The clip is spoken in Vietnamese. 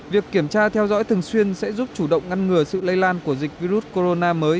việc kiểm tra theo dõi thường xuyên sẽ giúp chủ động ngăn ngừa sự lây lan của dịch virus corona mới